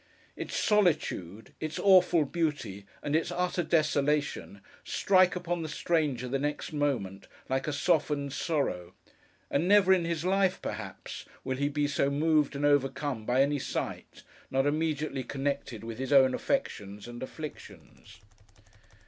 Its solitude, its awful beauty, and its utter desolation, strike upon the stranger the next moment, like a softened sorrow; and never in his life, perhaps, will he be so moved and overcome by any sight, not immediately connected with his own affections and afflictions.